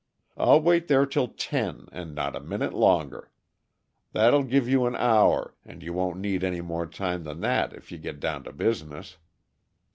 I'll wait there till ten, and not a minute longer. That'll give you an hour, and you won't need any more time than that if you get down to business.